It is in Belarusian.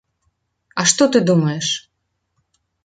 А што ты думаеш?